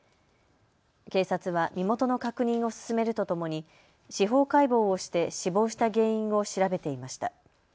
警察は身元の確認を進めるとともに司法解剖をして死亡した原因を調べていました。